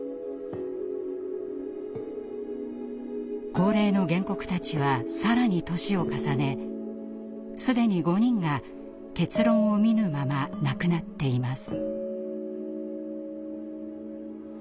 高齢の原告たちは更に年を重ね既に５人が結論を見ぬまま亡くなっています。